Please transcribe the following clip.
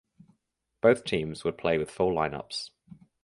Both teams would play with full lineups.